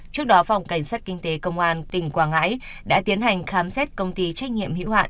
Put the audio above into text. trước đó phòng cảnh sát kinh tế công an tỉnh quảng ngãi đã tiến hành khám xét công ty trách nhiệm hữu hạn